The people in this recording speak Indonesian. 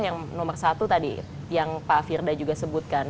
yang nomor satu tadi yang pak firda juga sebutkan